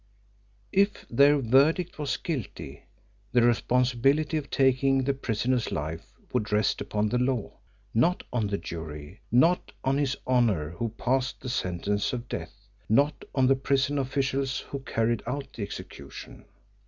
If their verdict was "guilty" the responsibility of taking the prisoner's life would rest upon the law not on the jury, not on His Honour who passed the sentence of death, not on the prison officials who carried out the execution.